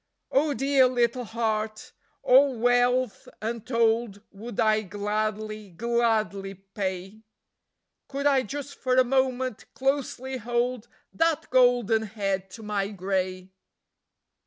Oh dear little heart! All wealth untold would I gladly, gladly pay Could I just for a moment closely hold that golden head to my grey.